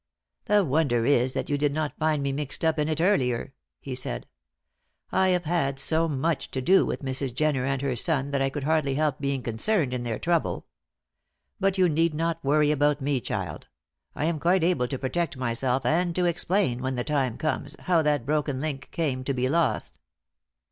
"The wonder is that you did not find me mixed up in it earlier," he said. "I have had so much to do with Mrs. Jenner and her son that I could hardly help being concerned in their trouble. But you need not worry about me, child. I am quite able to protect myself and to explain, when the time comes, how that broken link came to be lost."